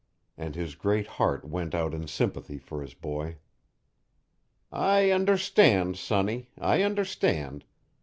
And his great heart went out in sympathy for his boy. "I understand, sonny, I understand.